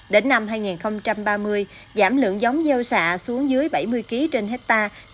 đến năm hai nghìn ba mươi giảm lượng giống gieo xạ xuống dưới bảy mươi kg trên hectare